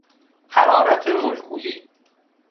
حرارت مولکولی